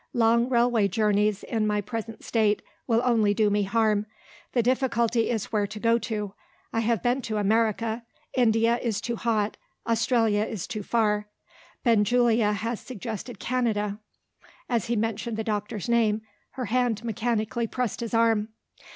"Long railway journeys, in my present state, will only do me harm. The difficulty is where to go to. I have been to America; India is too hot; Australia is too far. Benjulia has suggested Canada." As he mentioned the doctor's name, her hand mechanically pressed his arm.